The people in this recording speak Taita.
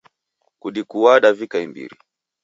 Kudikua davika imbiri